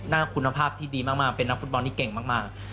คุณภาพที่ดีมากเป็นนักฟุตบอลที่เก่งมาก